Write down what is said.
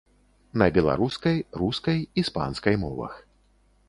На беларускай, рускай, іспанскай мовах.